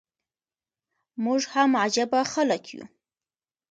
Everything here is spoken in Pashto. موږ هم عجبه خلک يو.